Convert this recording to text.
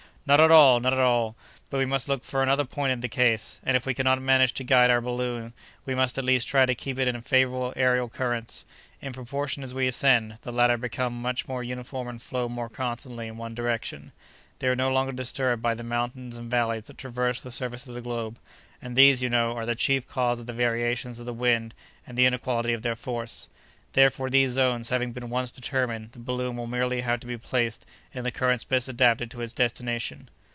"Not at all! not at all! But we must look for another point in the case, and if we cannot manage to guide our balloon, we must, at least, try to keep it in favorable aërial currents. In proportion as we ascend, the latter become much more uniform and flow more constantly in one direction. They are no longer disturbed by the mountains and valleys that traverse the surface of the globe, and these, you know, are the chief cause of the variations of the wind and the inequality of their force. Therefore, these zones having been once determined, the balloon will merely have to be placed in the currents best adapted to its destination."